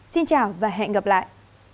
xin chào và hẹn gặp lại